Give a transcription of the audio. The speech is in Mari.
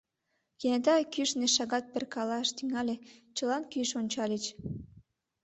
Кенета кӱшнӧ шагат перкалаш тӱҥале, чылан кӱш ончальыч.